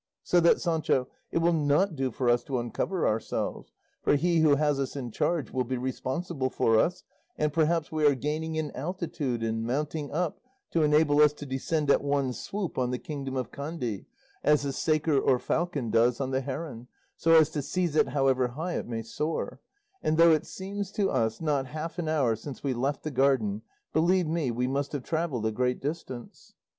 So that, Sancho, it will not do for us to uncover ourselves, for he who has us in charge will be responsible for us; and perhaps we are gaining an altitude and mounting up to enable us to descend at one swoop on the kingdom of Kandy, as the saker or falcon does on the heron, so as to seize it however high it may soar; and though it seems to us not half an hour since we left the garden, believe me we must have travelled a great distance."